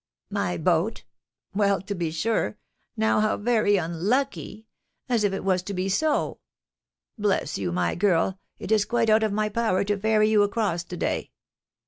"My boat? Well to be sure! Now, how very unlucky! As if it was to be so. Bless you, my girl, it is quite out of my power to ferry you across to day."